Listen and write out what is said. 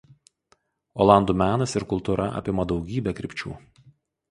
Olandų menas ir kultūra apima daugybę krypčių.